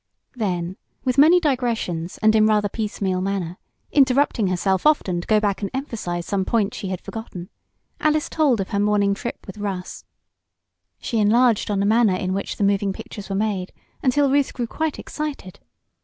Then, with many digressions, and in rather piece meal manner, interrupting herself often to go back and emphasize some point she had forgotten, Alice told of her morning trip with Russ. She enlarged on the manner in which the moving pictures were made, until Ruth grew quite excited.